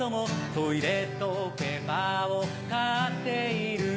トイレットペーパーを買っている